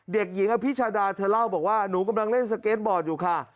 เด็กหญิงอภิชาดาเธอเล่าบอกว่าหนูกำลังเล่นสเก็ตบอร์ดอยู่ค่ะ